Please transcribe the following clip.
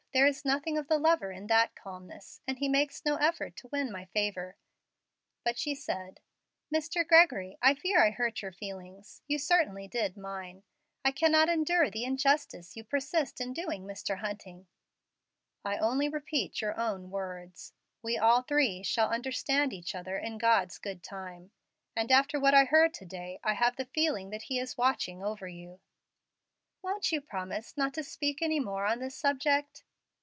There is nothing of the lover in that calmness, and he makes no effort to win my favor," but she said, "Mr. Gregory, I fear I hurt your feelings. You certainly did mine. I cannot endure the injustice you persist in doing Mr. Hunting." "I only repeat your own words, 'We all three shall understand each other in God's good time'; and after what I heard to day, I have the feeling that He is watching over you." "Won't you promise not to speak any more on this subject?"